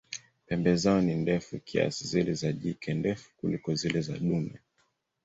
Pembe zao ni ndefu kiasi, zile za jike ndefu kuliko zile za dume.